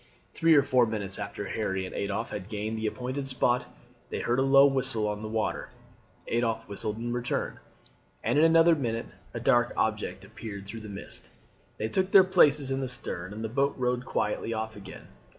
Three or four minutes after Harry and Adolphe had gained the appointed spot they heard a low whistle on the water. Adolphe whistled in return, and in another minute a dark object appeared through the mist. They took their places in the stern, and the boat rowed quietly off again.